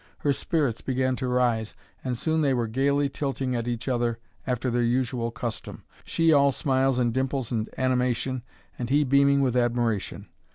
Her spirits began to rise, and soon they were gayly tilting at each other after their usual custom, she all smiles and dimples and animation, and he beaming with admiration.